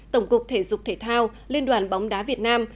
tổng cục thể dục thể thao liên đoàn bóng đá việt nam